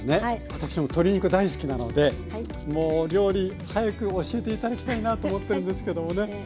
私も鶏肉大好きなのでもう料理早く教えて頂きたいなと思ってるんですけどもね。